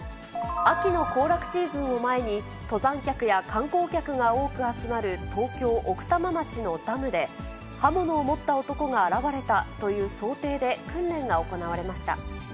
秋の行楽シーズンを前に、登山客や観光客が多く集まる東京・奥多摩町のダムで、刃物を持った男が現れたという想定で訓練が行われました。